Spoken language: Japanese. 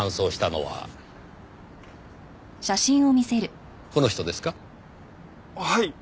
はい！